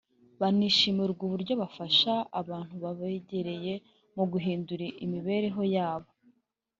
hanishimirwa uburyo bafasha abantu babegereye mu guhindura imibereho yabo